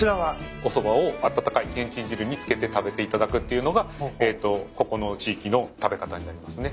おそばを温かいけんちん汁につけて食べていただくっていうのがここの地域の食べ方になりますね。